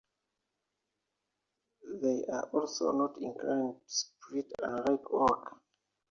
They are also not inclined to split, unlike oak.